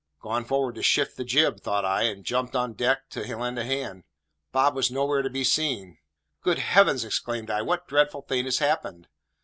"Gone forward to shift the jib," thought I; and I jumped on deck to lend a hand. Bob was nowhere to be seen. "Good heavens!" exclaimed I, "what dreadful thing has happened?"